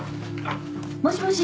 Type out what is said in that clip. もしもし？